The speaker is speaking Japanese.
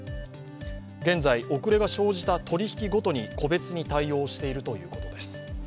現在、遅れが生じた取引ごとに個別に対応しているということです。